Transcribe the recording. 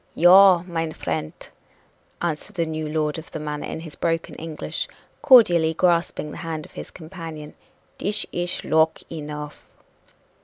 "Yaw, mine frient!" answered the new lord of the manor in his broken English, cordially grasping the hand of his companion, "dish ish loke enough!"